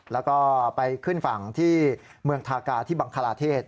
แล้วก็ไปขึ้นฝั่งที่เมืองทากาที่บังคลาเทศ